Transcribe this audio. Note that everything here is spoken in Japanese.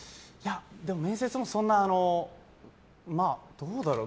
面接もそんな、どうだろう。